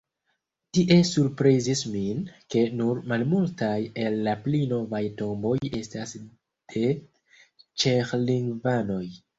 Tie surprizis min, ke nur malmultaj el la pli novaj tomboj estas de ĉeĥlingvanoj.